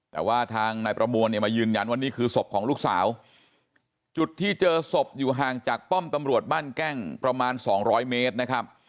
แต่ว่าทางนายประมวลเนี่ยมายืนยันว่านี่คือศพของลูกสาวจุดที่เจอศพอยู่ห่างจากป้อมตำรวจบ้านแก้งประมาณ๒๐๐เมตรนะครับ